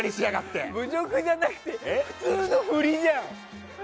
侮辱じゃなくて普通の振りじゃん！